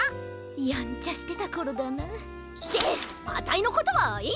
やんちゃしてたころだな。ってあたいのことはいいんだよ！